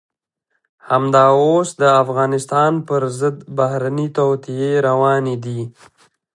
همدا اوس د افغانستان په ضد بهرنۍ توطئې روانې دي.